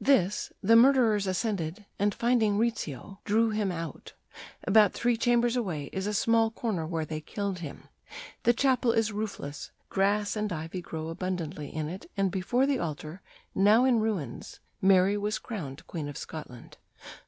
This the murderers ascended, and, finding Rizzio, ... drew him out; about three chambers away is a small corner where they killed him. The chapel is roofless, grass and ivy grow abundantly in it; and before the altar, now in ruins, Mary was crowned Queen of Scotland.